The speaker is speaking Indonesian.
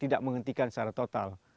tidak menghentikan secara total